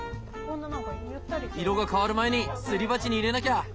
色が変わる前にすり鉢に入れなきゃ！